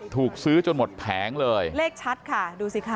ถูกซื้อจนหมดแผงเลยเลขชัดค่ะดูสิค่ะ